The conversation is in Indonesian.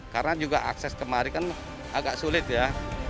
karena juga akses kemari kan agak sulit ya